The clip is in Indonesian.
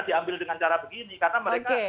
diambil dengan cara begini karena mereka